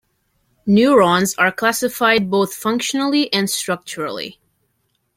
Neurons are classified both functionally and structurally.